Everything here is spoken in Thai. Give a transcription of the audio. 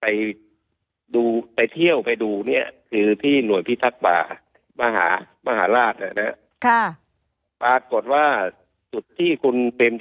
ทำให้ขอเข้าไปเที่ยวไปดูคือที่หน่วยพิทัศน์ป่ามาหาาหลาฬ